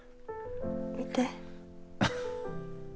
見て。